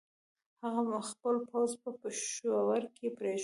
هغه خپل پوځ په پېښور کې پرېښود.